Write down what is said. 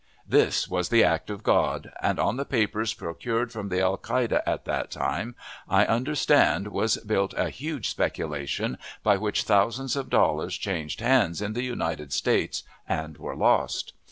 This was the act of God, and on the papers procured from the alcalde at that time, I understand, was built a huge speculation, by which thousands of dollars changed hands in the United States and were lost.